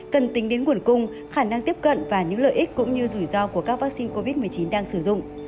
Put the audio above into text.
cần tính đến nguồn cung khả năng tiếp cận và những lợi ích cũng như rủi ro của các vaccine covid một mươi chín đang sử dụng